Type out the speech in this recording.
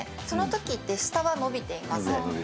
そのときって下は伸びています。